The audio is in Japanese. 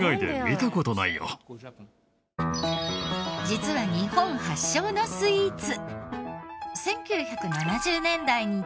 実は日本発祥のスイーツ。